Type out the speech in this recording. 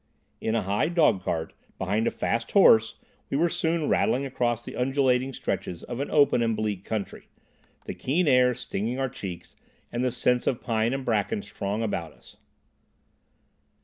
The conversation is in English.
In a high dogcart, behind a fast horse, we were soon rattling across the undulating stretches of an open and bleak country, the keen air stinging our cheeks and the scents of pine and bracken strong about us.